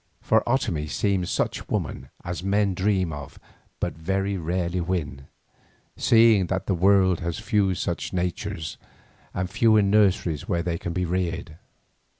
For Otomie seemed such woman as men dream of but very rarely win, seeing that the world has few such natures and fewer nurseries where they can be reared.